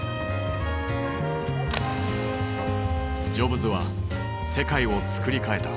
ジョブズは世界をつくり替えた。